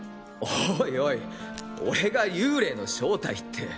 おいおい俺が幽霊の正体って。